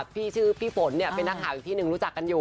พี่ชื่อพี่ฝนเป็นนักข่าวอีกที่หนึ่งรู้จักกันอยู่